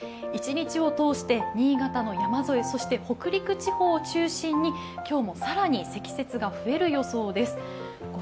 一日を通して新潟の山沿い、そして北陸地方を中心に今日も更に積雪が増える予想です。